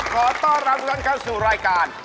ขอต้อนรับทุกท่านเข้าสู่รายการ